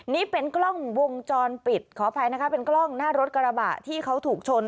นี่เป็นกล้องวงจรปิดขออภัยนะคะเป็นกล้องหน้ารถกระบะที่เขาถูกชน